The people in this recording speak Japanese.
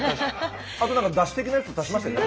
あとなんかだし的なやつ足しましたよね？